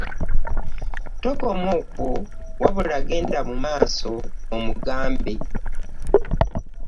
Tokoma okwo wabula genda mu maaso omugambe.